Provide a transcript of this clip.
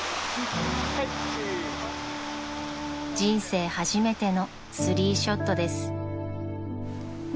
［人生初めてのスリーショットです］